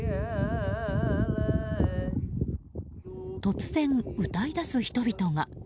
突然、歌い出す人々が。